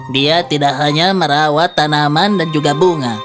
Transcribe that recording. dia tidak hanya merawat tanaman dan juga bunga